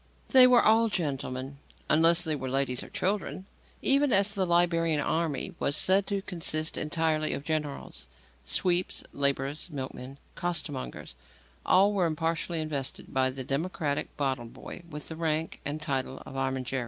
They were all gentlemen unless they were ladies or children even as the Liberian army was said to consist entirely of generals. Sweeps, labourers, milkmen, costermongers all were impartially invested by the democratic bottle boy with the rank and title of armigeri.